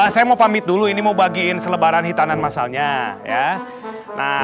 saya mau pamit dulu ini mau bagiin selebaran hitanan masalnya ya